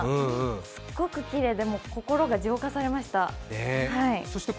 すごくきれいで心が浄化されました。